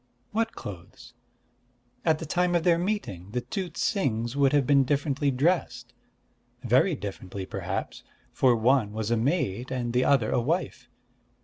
"What clothes?" "At the time of their meeting, the two Ts'ings would have been differently dressed, very differently, perhaps; for one was a maid, and the other a wife.